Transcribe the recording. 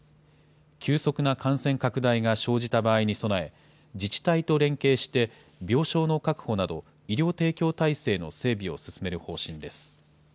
急速な感染拡大が生じた場合に備え、自治体と連携して、病床の確保など、医療提供体制の整備を進める方針です。